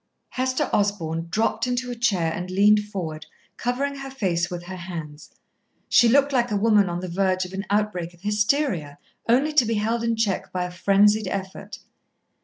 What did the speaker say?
Hester Osborn dropped into a chair and leaned forward, covering her face with her hands. She looked like a woman on the verge of an outbreak of hysteria, only to be held in check by a frenzied effort.